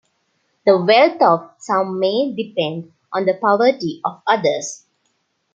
The wealth of some may "depend" on the poverty of others.